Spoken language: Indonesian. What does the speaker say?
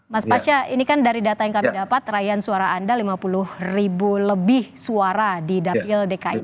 mas pasca ini kan dari data yang kami dapat raihan suara anda lima puluh ribu lebih suara di dapil dki